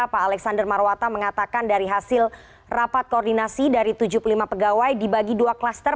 pak alexander marwata mengatakan dari hasil rapat koordinasi dari tujuh puluh lima pegawai dibagi dua klaster